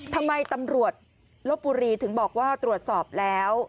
ทำไมตำรวจลบบุรีถึงบอกว่าตรวจสอบแล้ว